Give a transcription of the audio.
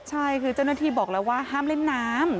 ใช่คือเจ้าหน้าที่บอกแล้วว่าห้ามเล่นน้ำ